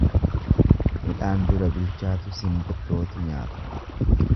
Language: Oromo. Midhaan dura bilchaatu shimbirrootu nyaata.